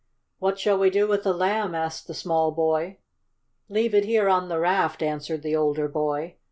"What shall we do with the Lamb?" asked the small boy. "Leave it here on the raft," answered the older boy.